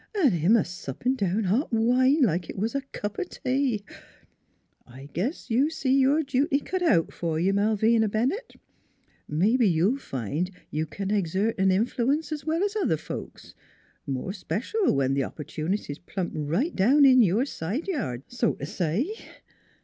An' him a suppin' down hot wine, like 't was a cup o' tea. I guess you see your duty cut out f'r you, Malvina Bennett. Mebbe you'll find you c'n exert an in fluence 's well 's other folks more 'special when 50 NEIGHBORS th' op'tunity's plumped right down in your side yard, so t' say."